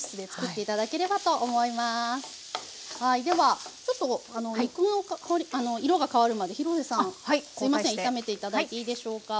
はいではちょっと肉の色が変わるまで廣瀬さん交代して炒めて頂いていいでしょうか。